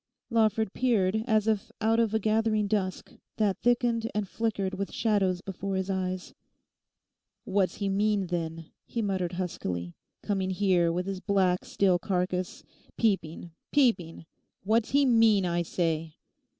Lawford peered as if out of a gathering dusk, that thickened and flickered with shadows before his eyes. 'What's he mean, then,' he muttered huskily, 'coming here with his black, still carcase—peeping, peeping—what's he mean, I say?